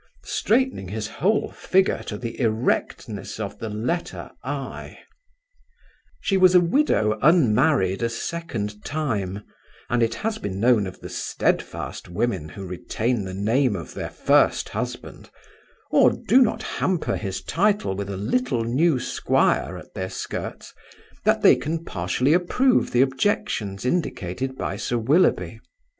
straightening his whole figure to the erectness of the letter I. She was a widow unmarried a second time, and it has been known of the stedfast women who retain the name of their first husband, or do not hamper his title with a little new squire at their skirts, that they can partially approve the objections indicated by Sir Willoughby.